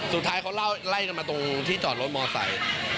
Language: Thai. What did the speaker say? สุดท้ายเขาเล่าได้กันมาตรงที่จอดรถมอเตอร์ไซ